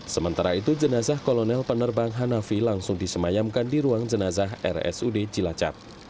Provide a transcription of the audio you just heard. sementara itu jenazah kolonel penerbang hanafi langsung disemayamkan di ruang jenazah rsud cilacap